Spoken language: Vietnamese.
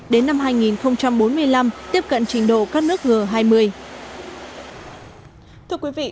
đến năm hai nghìn bốn mươi năm tiếp cận trình độ các nước g hai mươi